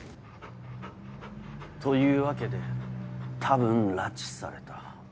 というわけで多分拉致された。